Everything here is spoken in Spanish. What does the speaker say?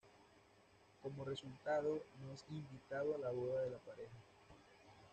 Como resultado no es invitado a la boda de la pareja.